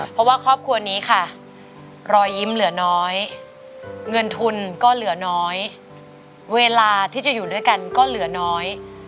เพราะว่าครอบครัวนี้ค่ะรอยยิ้มเหลือน้อยเงินทุนก็เหลือน้อยเวลาที่จะอยู่ด้วยกันก็เหลือน้อย